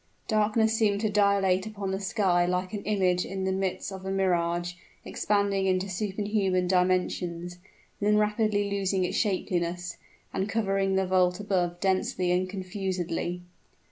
Darkness seemed to dilate upon the sky like an image in the midst of a mirage, expanding into superhuman dimensions then rapidly losing its shapeliness, and covering the vault above densely and confusedly.